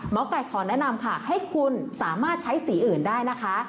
ไก่ขอแนะนำค่ะให้คุณสามารถใช้สีอื่นได้นะคะ